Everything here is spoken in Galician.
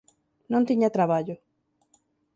Non tiña traballo.